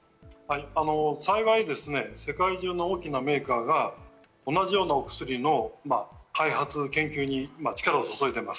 幸い世界中の大きなメーカーが同じような薬の開発、研究に力を注いでいます。